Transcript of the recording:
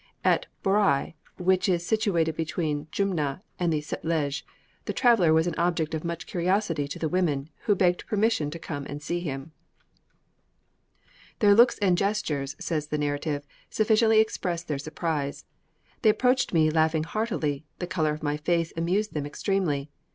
At Boria, which is situated between the Jumna and the Sutlej, the traveller was an object of much curiosity to the women, who begged permission to come and see him. "Their looks and gestures," says the narrative, "sufficiently expressed their surprise. They approached me laughing heartily, the colour of my face amused them extremely.